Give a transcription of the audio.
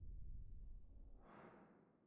El canal Mansfield la atraviesa por la mitad.